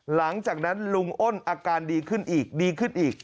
หลังจากนั้นลุงอ้นอาการดีขึ้นอีกดีขึ้นอีก